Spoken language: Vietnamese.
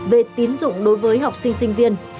về tín dụng đối với học sinh sinh viên